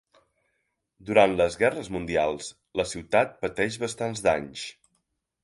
Durant les guerres mundials, la ciutat pateix bastants danys.